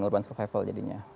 urban survival jadinya